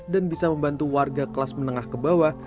dan bisa membantu warga kelas menengah ke bawah